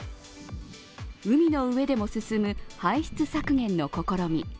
海の上でも進む排出削減の試み。